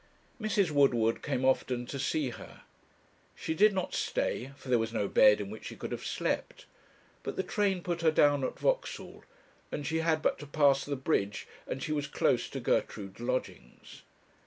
Mrs. Woodward came often to see her. She did not stay, for there was no bed in which she could have slept; but the train put her down at Vauxhall, and she had but to pass the bridge, and she was close to Gertrude's lodgings.